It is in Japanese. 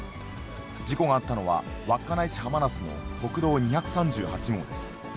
事故があったのは稚内市はまなすの国道２３８号です。